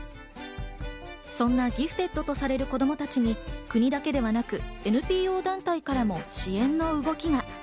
そんなギフテッドとされる子供たちに、国だけではなく、ＮＰＯ団体からも支援の動きが。